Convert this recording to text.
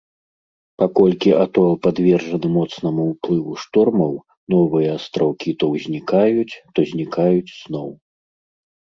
Паколькі атол падвержаны моцнаму ўплыву штормаў, новыя астраўкі то ўзнікаюць, то знікаюць зноў.